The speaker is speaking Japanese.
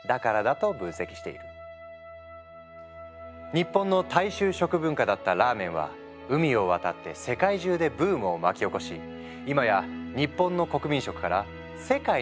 日本の大衆食文化だったラーメンは海を渡って世界中でブームを巻き起こし今や日本の国民食から世界のＲＡＭＥＮになっている。